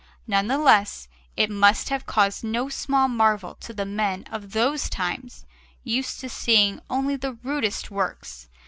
None the less, it must have caused no small marvel to the men of those times, used to seeing only the rudest works.